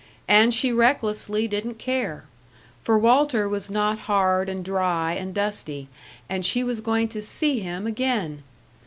And she recklessly didn't care. For Walter was not hard and dry and dusty; and she was going to see him again!